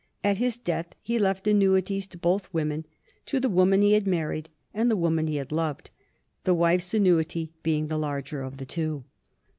At his death he left annuities to both women, to the woman he had married and the woman he had loved, the wife's annuity being the larger of the two.